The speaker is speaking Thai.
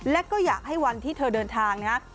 และก็อยากให้วันที่เธอเดินทางนะฮะ